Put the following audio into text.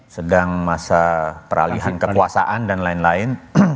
sedang masa peralihan kekuasaan dan lain lain